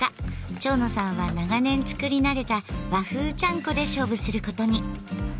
蝶野さんは長年作り慣れた「和風ちゃんこ」で勝負することに。